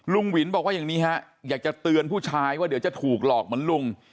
หวินบอกว่าอย่างนี้ฮะอยากจะเตือนผู้ชายว่าเดี๋ยวจะถูกหลอกเหมือนลุง